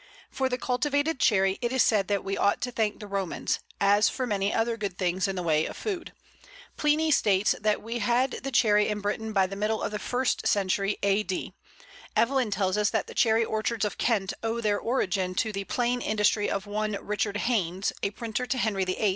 For the cultivated Cherry it is said that we ought to thank the Romans, as for many other good things in the way of food. Pliny states that we had the Cherry in Britain by the middle of the first century A.D. Evelyn tells us that the Cherry orchards of Kent owe their origin to "the plain industry of one Richard Haines, a printer to Henry VIII.